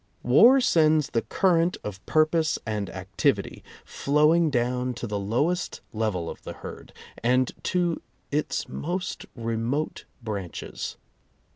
War sends the current of purpose and activity flowing [ho down to the lowest level of the herd, and to its most remote branches.